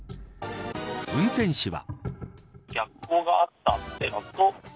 運転手は。